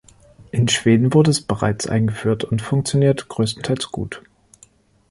In Schweden wurde es bereits eingeführt und funktioniert größtenteils gut.